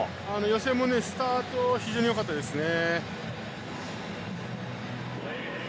予選もスタートは非常に良かったですね。